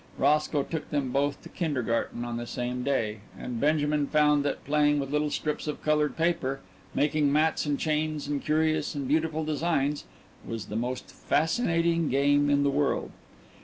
Roscoe took them both to kindergarten on the same day, and Benjamin found that playing with little strips of coloured paper, making mats and chains and curious and beautiful designs, was the most fascinating game in the world.